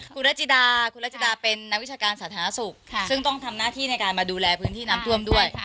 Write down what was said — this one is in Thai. คุณรัจจิดาคุณรัชดาเป็นนักวิชาการสาธารณสุขซึ่งต้องทำหน้าที่ในการมาดูแลพื้นที่น้ำท่วมด้วย